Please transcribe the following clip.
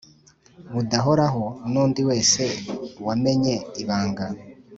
Budahoraho n undi wese wamenye ibanga